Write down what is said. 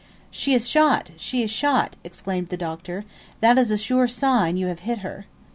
"She is shot! she is shot!" exclaimed the Doctor; "that is a sure sign you have hit her."